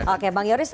oke bang yoris